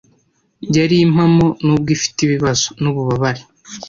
Yari impamo, nubwo ifite ibibazo, nububabare